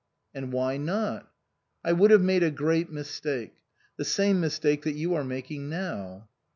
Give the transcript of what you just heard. "And why not?" "I would have made a great mistake. The same mistake that you are making now."